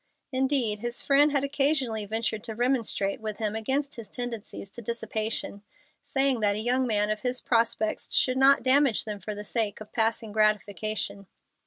Indeed, his friend had occasionally ventured to remonstrate with him against his tendencies to dissipation, saying that a young man of his prospects should not damage them for the sake of passing gratification.